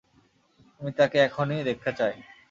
আমি তাকে এখনই দেখতে চাই।